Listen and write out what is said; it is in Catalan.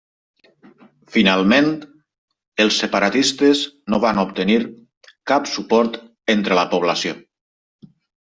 Finalment, els separatistes no van obtenir cap suport entre la població.